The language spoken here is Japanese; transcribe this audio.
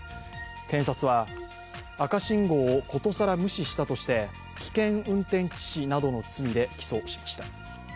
検察は、赤信号をことさら無視したとして危険運転致死などの罪で起訴しました。